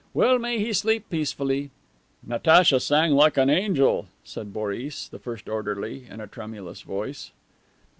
"Well may he sleep peacefully." "Natacha sang like an angel," said Boris, the first orderly, in a tremulous voice.